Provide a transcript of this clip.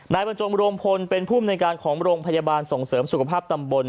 บรรจงรวมพลเป็นภูมิในการของโรงพยาบาลส่งเสริมสุขภาพตำบล